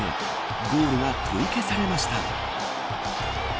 ゴールが取り消されました。